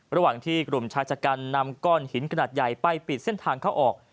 ระหว่างที่กลุ่มชายชะกันนำก้อนหินขนาดใหญ่ไปปิดเส้นทางเข้าออก